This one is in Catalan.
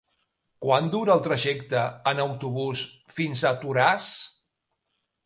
Quant dura el trajecte en autobús fins a Toràs?